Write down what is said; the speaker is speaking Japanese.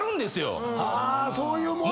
そういう。